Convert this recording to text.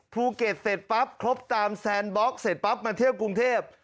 ภูเก็ตเสร็จปั๊บครบตามแซนบล็อกเสร็จปั๊บมาเที่ยวกรุงเทพ